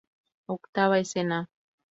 Octava Escena.